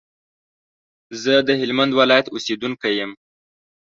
زه د هلمند ولايت اوسېدونکی يم